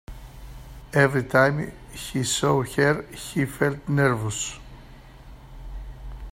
Every time he saw her, he felt nervous.